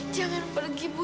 jangan pergi bu